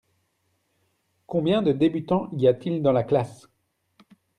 Combien de débutants y a-t-il dans la classe ?